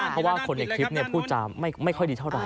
เพราะว่าคนในคลิปพูดจะไม่ค่อยดีเท่าไห